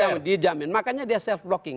pasti tidak makanya dia self blocking